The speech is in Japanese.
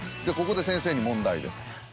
ここで先生に問題です。